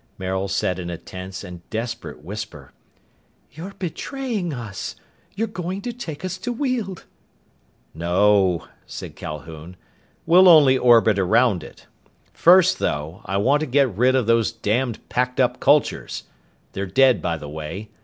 Maril said in a tense and desperate whisper, "You're betraying us! You're going to take us to Weald!" "No," said Calhoun. "We'll only orbit around it. First, though, I want to get rid of those damned packed up cultures. They're dead, by the way.